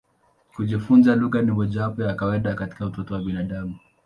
Kujifunza lugha ni jambo la kawaida katika utoto wa binadamu.